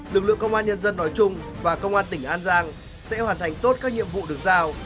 lực lượng công an nhân dân nói chung và công an tỉnh an giang sẽ hoàn thành tốt các nhiệm vụ được giao